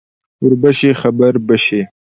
ـ وربشې خبر بشې.